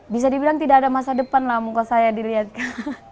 bisa dibilang tidak ada masa depan lah muka saya dilihatkan